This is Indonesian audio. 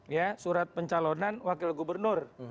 ya surat pencalonan wakil gubernur